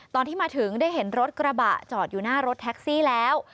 ตอนที่มาถึงได้เห็นรถกระบะจอดอยู่หน้ารถแท็กซี่แล้ว